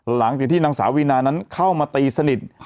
หลังจากที่นางสาววีนานั้นเข้ามาตีสนิท